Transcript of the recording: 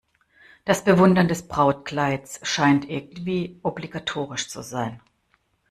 Das Bewundern des Brautkleids scheint irgendwie obligatorisch zu sein.